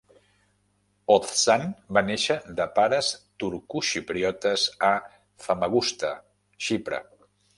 Ozsan va néixer de pares turco-xipriotes a Famagusta, Xipre.